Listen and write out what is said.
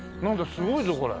すごいぞこれ。